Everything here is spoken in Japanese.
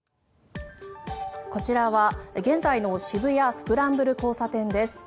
こちらは現在の渋谷・スクランブル交差点です。